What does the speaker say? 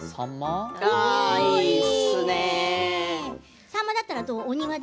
いいですね。